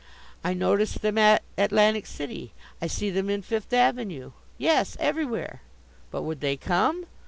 I notice them at Atlantic City, I see them in Fifth Avenue yes, everywhere. But would they come?